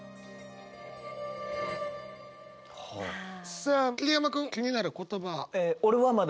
さあ桐山君気になる言葉。